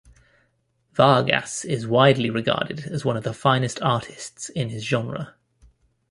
Vargas is widely regarded as one of the finest artists in his genre.